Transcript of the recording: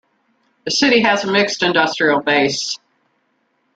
The city has a mixed industrial base.